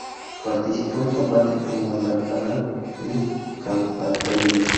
Participó en combate en Guadalcanal y Kwajalein.